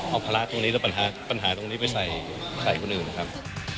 เอาภาระตรงนี้แล้วปัญหาตรงนี้ไปใส่คนอื่นนะครับ